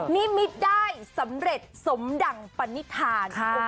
นิมิตได้สำเร็จสมดั่งปณิธาน